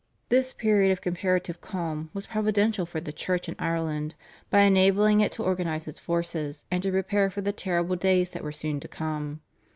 This period of comparative calm was providential for the Church in Ireland, by enabling it to organise its forces and to prepare for the terrible days that were soon to come.